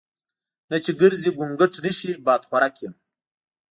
نه چې ګرزي ګونګټ نشي بادخورک یم.